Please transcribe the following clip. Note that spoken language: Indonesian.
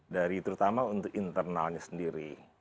dari terutama untuk internalnya sendiri